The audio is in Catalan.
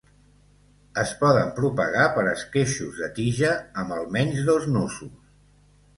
Es poden propagar per esqueixos de tija amb almenys dos nusos.